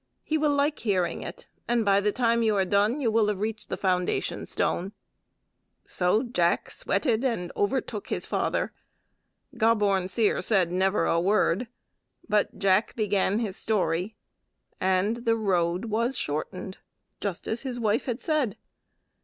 He will like hearing it, and by the time you are done you will have reached the foundation stone." So Jack sweated and overtook his father. Gobborn Seer said never a word, but Jack began his story, and the road was shortened as his wife had said.